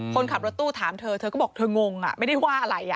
คนขับรถตู้ถามเธอเธอก็บอกเธองงไม่ได้ว่าอะไร